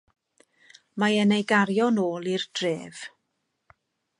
Mae e'n ei gario'n ôl i'r dref.